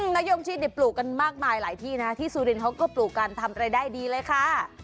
นายงชิดปลูกกันมากมายหลายที่นะที่สุรินทร์เขาก็ปลูกกันทำรายได้ดีเลยค่ะ